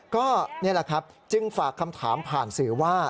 ก็นี่แหละครับจึงฝากคำถามผ่านสื่อว่า